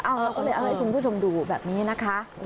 เราก็เลยเอาให้คุณผู้ชมดูแบบนี้นะคะ